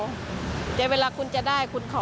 เดี๋ยวเวลาคุณจะได้คุณขอ